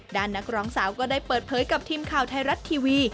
นักร้องสาวก็ได้เปิดเผยกับทีมข่าวไทยรัฐทีวี